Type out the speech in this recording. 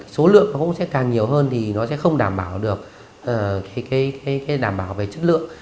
số lượng nó cũng sẽ càng nhiều hơn thì nó sẽ không đảm bảo được đảm bảo về chất lượng